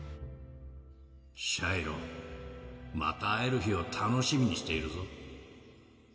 シャイロまた会える日を楽しみにしているぞ」。